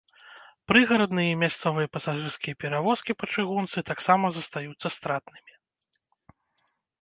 Прыгарадныя і мясцовыя пасажырскія перавозкі па чыгунцы таксама застаюцца стратнымі.